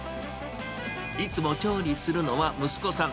いつも調理するのは息子さん。